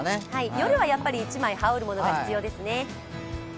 夜はやっぱり一枚羽織るものが必要ですね。